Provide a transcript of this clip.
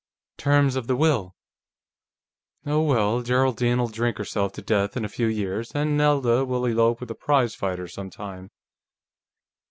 "Terms of the will. Oh, well, Geraldine'll drink herself to death in a few years, and Nelda will elope with a prize fighter, sometime."